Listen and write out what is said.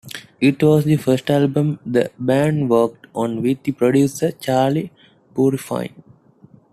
It was the first album the band worked on with the producer Charlie Bauerfeind.